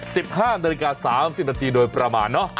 สิบห้านิการาคา๓๐นาทีโดยประหมาน